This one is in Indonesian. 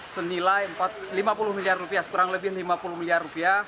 senilai lima puluh miliar rupiah kurang lebih lima puluh miliar rupiah